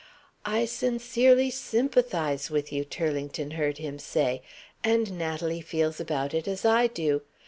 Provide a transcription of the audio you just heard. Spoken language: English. "I sincerely sympathize with you," Turlington heard him say; "and Natalie feels about it as I do.